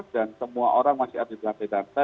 dan semua orang masih ada di atas data